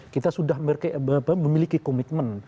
kita sudah memiliki komitmen